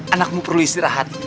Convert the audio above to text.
anakmu perlu istirahat